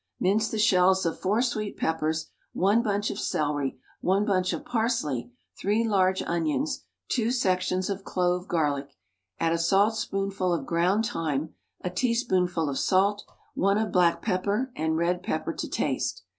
Mince the shells of four sweet peppers, one bunch of celery, one bunch of parsley, three large onions, two sec tions of clove garlic, add a salt spoonful of ground thyme, a teaspoonful of salt, one of black pepper and red pepper to taste.